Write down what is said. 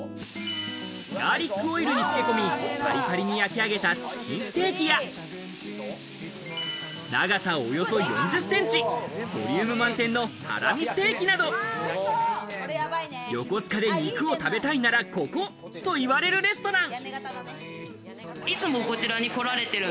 ガーリックオイルに漬け込み、パリパリに焼き上げたチキンステーキや長さおよそ４０センチ、ボリューム満点のハラミステーキなど、横須賀で肉を食べたいならここと言われるレストラン。